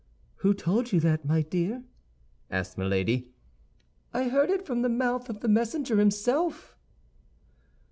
"Who told you that, my dear?" asked Milady. "I heard it from the mouth of the messenger himself."